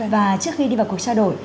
và trước khi đi vào cuộc trao đổi